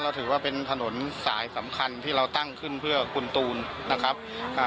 ถือว่าเป็นถนนสายสำคัญที่เราตั้งขึ้นเพื่อคุณตูนนะครับอ่า